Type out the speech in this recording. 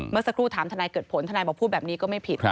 เมื่อสักครู่ถามทนายเกิดผลทนายบอกพูดแบบนี้ก็ไม่ผิด